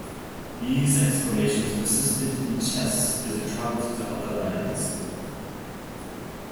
These exclamations persisted in chess as it traveled to other lands.